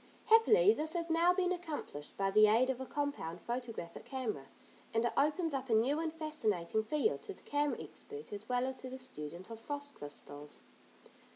Happily this has now been accomplished, by the aid of a compound photographic camera, and it opens up a new and fascinating field to the camera expert as well as to the student of frost crystals.